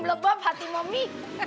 lebap hati mami